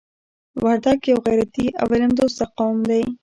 وردګ یو غیرتي او علم دوسته قوم دی.